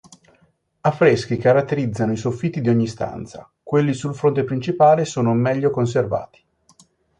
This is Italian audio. Affreschi caratterizzano i soffitti di ogni stanza, quelli sul fronte principale sono meglio conservati.